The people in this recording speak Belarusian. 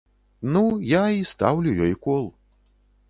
Ну, я і стаўлю ёй кол.